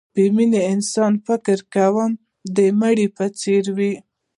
بې مینې انسان فکر کوم د مړي په څېر وي